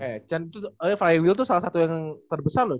eh cun oh iya flying wheel tuh salah satu yang terbesar loh cun